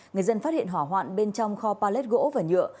người dân phát hiện hỏa hoạn bên trong kho pallet gỗ và nhựa